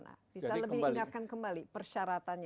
bisa lebih ingatkan kembali persyaratannya